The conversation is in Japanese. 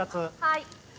はい。